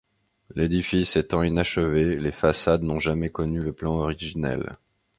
L'édifice étant inachevé, les façades n'ont jamais connu le plan originel.